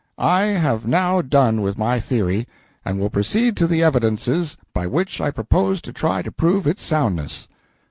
"I have now done with my theory, and will proceed to the evidences by which I propose to try to prove its soundness."